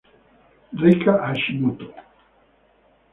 Reika Hashimoto